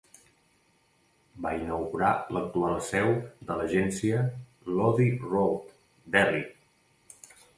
Va inaugurar l'actual seu de l'agència a Lodhi Road, Delhi.